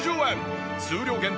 数量限定